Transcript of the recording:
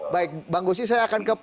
baik bang gusti saya akan ke